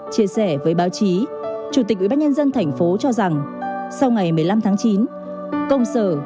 chia sẻ với báo chí chủ tịch ubnd tp cho rằng sau ngày một mươi năm tháng chín công sở